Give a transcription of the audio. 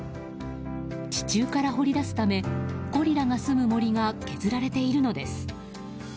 地中から掘り出すためゴリラがすむ森が削られているのです。